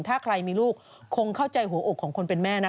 ถ้าใครมีลูกคงเข้าใจหัวอกของคนเป็นแม่นะ